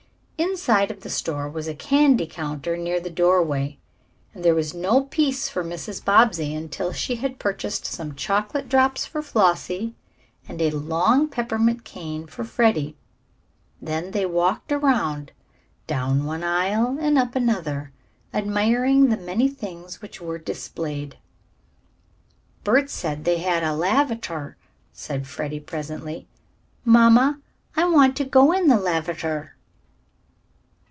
Inside of the store was a candy counter near the doorway, and there was no peace for Mrs. Bobbsey until she had purchased some chocolate drops for Flossie, and a long peppermint cane for Freddie. Then they walked around, down one aisle and up another, admiring the many things which were displayed. "Bert said they had a lavater," said Freddie presently. "Mamma, I want to go in the lavater."